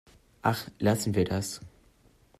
Ach, lassen wir das!